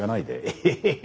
エヘヘヘ。